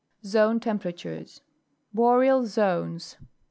ZONE TEMPERATURES. Boreal Zones.